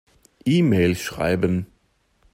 E-Mail schreiben.